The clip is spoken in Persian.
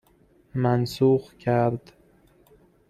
منسوخ کرد